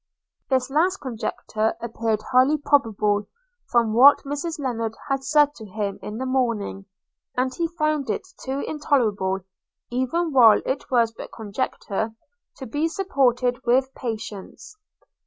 This last conjecture appeared highly probable, from what Mrs Lennard had said to him in the morning; and he found it too intolerable, even while it was but conjecture, to be supported with patience.